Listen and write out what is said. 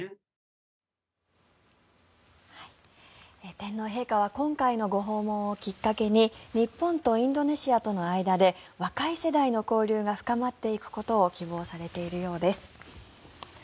天皇陛下は今回のご訪問をきっかけに日本とインドネシアとの間で若い世代の交流が深まっていくことを希望されているようです。